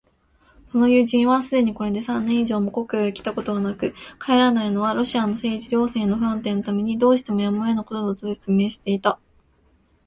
その友人はすでにこれで三年以上も故郷へきたことはなく、帰らないのはロシアの政治情勢の不安定のためにどうしてもやむをえぬことだ、と説明していた。